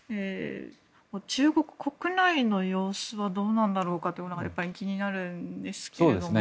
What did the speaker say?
中国国内の様子はどうなんだろうかというのが気になるんですけども。